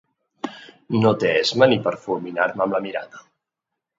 No té esma ni per fulminar-me amb la mirada.